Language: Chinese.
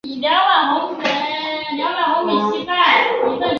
后来交趾太守士燮任命程秉为长史。